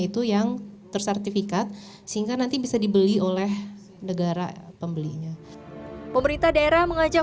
itu yang tersertifikat sehingga nanti bisa dibeli oleh negara pembelinya pemerintah daerah mengajak